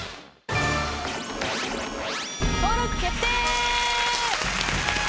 登録決定！